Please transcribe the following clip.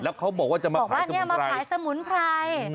แล้วเขาบอกว่าจะมาผายสมุนไพร